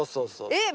えっ